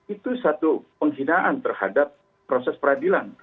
itu satu penghinaan terhadap proses peradilan